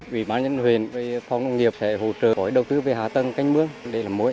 quỹ bán nhân huyền phòng công nghiệp sẽ hỗ trợ đối tư với hạ tầng canh mướn để làm muối